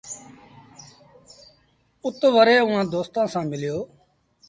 اُتوري اُئآݩ دوستآݩ سآݩ مليو۔